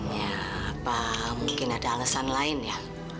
ya apa mungkin ada alasan lain ya